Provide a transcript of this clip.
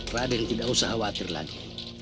raden tidak usah khawatir lagi